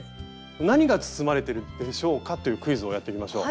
何が包まれてるでしょうか？というクイズをやってみましょう。